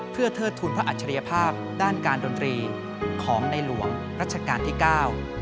เพื่อเทิดทุนพระอัจฉริยภาพด้านการดนตรีของในหลวงรัชกาลที่เก้า